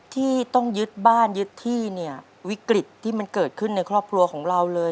ที่ต้องยึดบ้านยึดที่เนี่ยวิกฤตที่มันเกิดขึ้นในครอบครัวของเราเลย